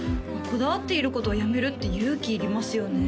こだわっていることをやめるって勇気いりますよね